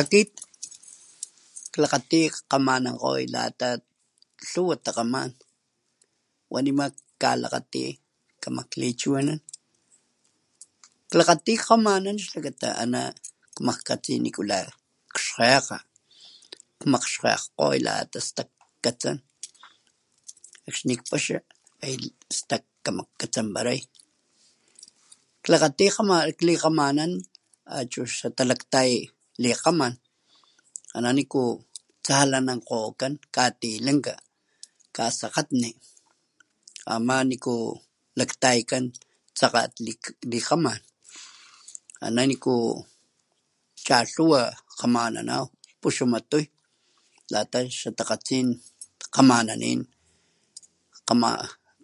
Akit klakgati jkgamanankgoy, lata lhuwa takgaman wa nema jkalakgati kama klichiwinan:klakgati jkgamanan xlakata ana kmajkgatsi nikula xkgekga, kmaxkgejkgoy lata stakkatsan akxni kpaxa stak kmakgatsanparay, klakgati likgamana achu xatalaktay likgaman ana niku tsalanankgokan katilanka kasakgatni ama niku laktayakan tsakat likgaman ana niku chalhuwa kgamananaw puxama tuy lata xatakgatsin kgamananin ama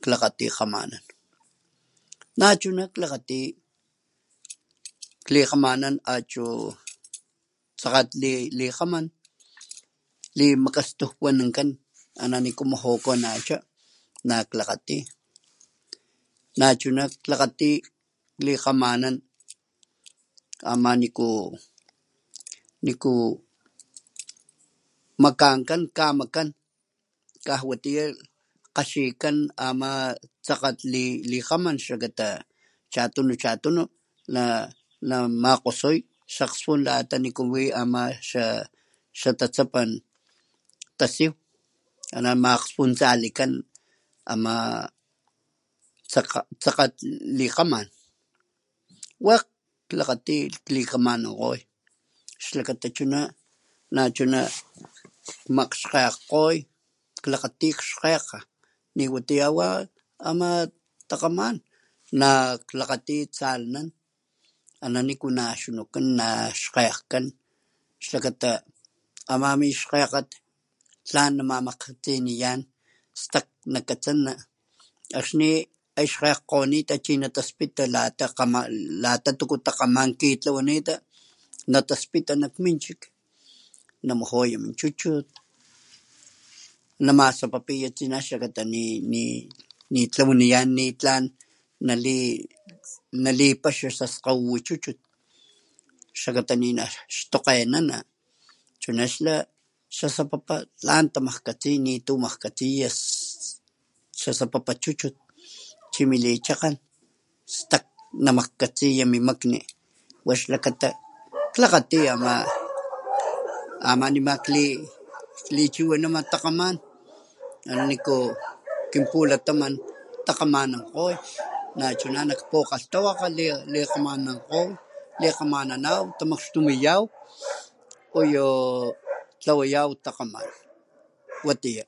klakgati kgamanan nachuna klakgati klikgamanan achu tsakat likgaman limakastujwanankan ana niku mujukanacha na klakgati nachuna klakgati klikgamana ama niku niku makankan kamakan kajwatiya kgaxikan ama tsakagt ama likgaman xlakata chatunu, chatunu namakgosoy lata niku wi ama xa tatsapan tasiw ana makgspuntsalikan ama tsakat likgaman wakg klakgati klikgamankgoy xlakata chuna nachuna kmakxkgejkgoy, klakgati xkgekga niwatiya wa ama takgaman naklakgati tsalanan ana niku naxkgejkan xlakata ama mixkgekgat tlan namajkatsiniyan stak nakatsana akxni ay xkgejkgonita chi nataspita lata kgamananit lata tuku ya takgaman kitlawanita nataspita nak min chik namujuya min chuchut namasapapiya tsina xlakata nitlawaniyan nitlan nalipaxa xaskgawiwi chuchut xlakata ninaxtokgenana chuna e xla xasapapa tlan nitu makgkgtsiya xasapapa chuchut chi milichakgen stak namajkatsiya mi makni wa xlakata klakgati ama ne klichiwinama takgaman ana niku nakkinpulataman takgamankgoy nachuna nakpugalhtawakga likgamanakgoy likgamananaw tamakxtumiyaw uyu tlawayaw takgaman watiya.